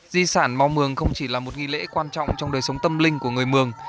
di sản mau mường không chỉ là một nghi lễ quan trọng trong đời sống tâm linh của người mường